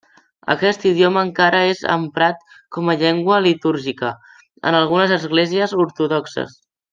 Aquest idioma encara és emprat com a llengua litúrgica en algunes esglésies ortodoxes.